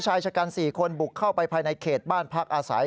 ชายชะกัน๔คนบุกเข้าไปภายในเขตบ้านพักอาศัย